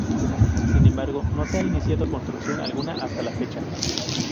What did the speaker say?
Sin embargo, no se ha iniciado construcción alguna hasta la fecha.